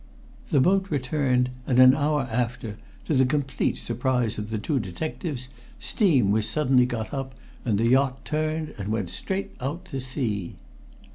The boat returned, and an hour after, to the complete surprise of the two detectives, steam was suddenly got up and the yacht turned and went straight out to sea."